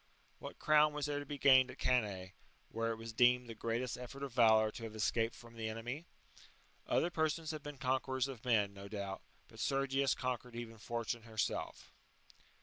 What crown was there to be gained at Cannae, where it was deemed the greatest effort of valour to have escaped^' from the enemy ? Other persons have been conquerors of men, no doubt, but Sergius^^ conquered even Fortune herself.